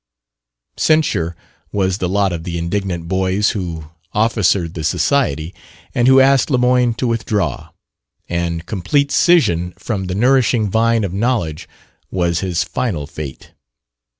Censure was the lot of the indignant boys who officered the society, and who asked Lemoyne to withdraw; and complete scission from the nourishing vine of Knowledge was his final fate.